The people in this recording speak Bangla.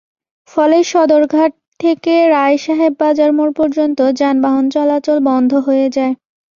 ফলে সদরঘাট থেকে রায়সাহেব বাজার মোড় পর্যন্ত যানবাহন চলাচল বন্ধ হয়ে যায়।